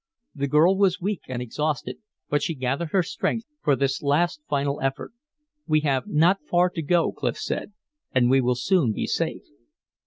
The girl was weak and exhausted, but she gathered her strength for this last final effort. "We have not far to go," Clif said. "And we will soon be safe."